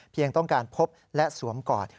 ต้องการพบและสวมกอด